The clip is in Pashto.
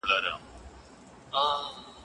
دا چي د شالمار مېلې وختونه نژدې دي